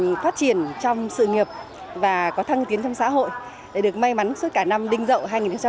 để có những sự phát triển trong sự nghiệp và có thăng tiến trong xã hội để được may mắn suốt cả năm đình dậu hai nghìn một mươi bảy